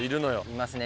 いますね。